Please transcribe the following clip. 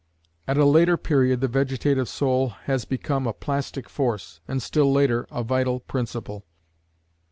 At a later period the Vegetative Soul has become a Plastic Force, and still later, a Vital Principle.